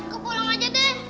ke pulang aja deh